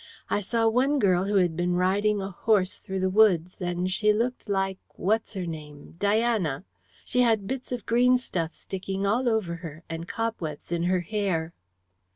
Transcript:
I saw one girl who had been riding a horse through the woods, and she looked like what's her name Diana. She had bits of green stuff sticking all over her, and cobwebs in her hair."